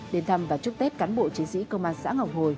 đến thăm và chúc tết cán bộ chiến sĩ công an xã ngọc hồi